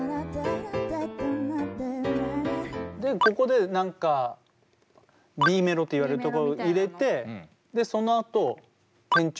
ここで何かＢメロといわれるところを入れてでそのあと転調させて。